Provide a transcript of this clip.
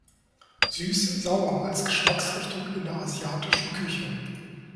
Süß-sauer als Geschmacksrichtung in der asiatischen Küche.